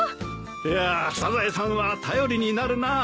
いやサザエさんは頼りになるなぁ。